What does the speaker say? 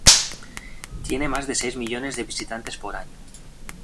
Tiene más de seis millones de visitantes por año.